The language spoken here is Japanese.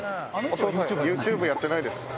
お父さんＹｏｕＴｕｂｅやってないですか？